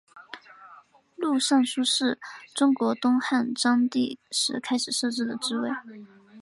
录尚书事是中国东汉章帝时开始设置的职位。